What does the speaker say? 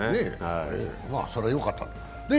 それはよかった。